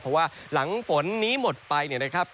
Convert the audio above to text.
เพราะว่าหลังฝนนี้หมดไปเนี่ยนะครับ